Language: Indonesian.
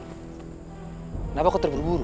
kenapa kau terburu buru